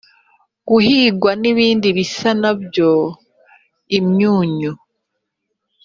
Buhingwa n ibindi bisa na byo imyunyu